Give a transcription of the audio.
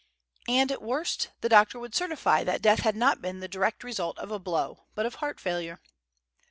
And at worst, the doctor would certify that death had not been the direct result of a blow, but of heart failure.